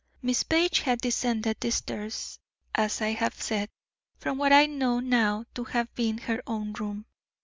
Miss Page had descended the stairs, as I have said, from what I now know to have been her own room.